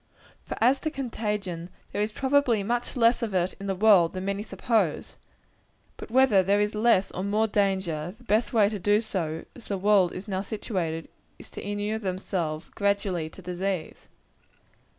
For as to contagion, there is probably much less of it in the world than many suppose. But whether there is less or more danger, the best way to do, as the world is now situated, is, to inure ourselves, gradually, to disease.